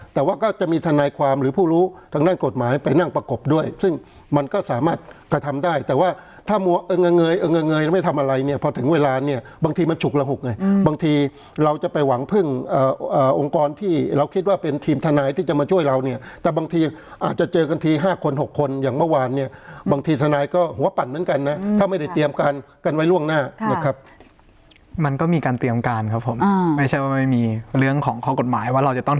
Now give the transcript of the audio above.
แต่ว่าก็จะมีทนายความหรือผู้รู้ทางด้านกฎหมายไปนั่งประกบด้วยซึ่งมันก็สามารถกระทำได้แต่ว่าถ้าเงยไม่ทำอะไรเนี่ยพอถึงเวลาเนี่ยบางทีมันฉุกระหุกไงบางทีเราจะไปหวังพึ่งองค์กรที่เราคิดว่าเป็นทีมทนายที่จะมาช่วยเราเนี่ยแต่บางทีอาจจะเจอกันทีห้าคนหกคนอย่างเมื่อวานเนี่ยบางทีทนายก็หัวปั่นเหมือนกัน